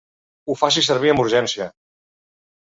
Ho faci servir amb urgència.